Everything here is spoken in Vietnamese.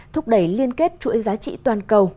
thúc đẩy liên kết chuỗi giá trị toàn cầu